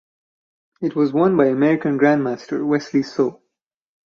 It was won by American grandmaster Wesley So.